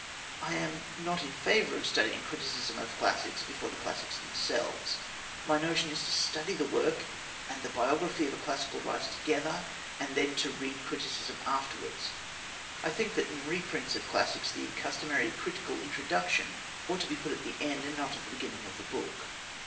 I am not in favour of studying criticism of classics before the classics themselves. My notion is to study the work and the biography of a classical writer together, and then to read criticism afterwards. I think that in reprints of the classics the customary "critical introduction" ought to be put at the end, and not at the beginning, of the book.